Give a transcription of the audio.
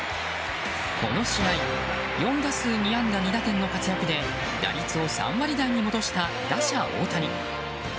この試合４打数２安打２打点の活躍で打率を３割台に戻した打者・大谷。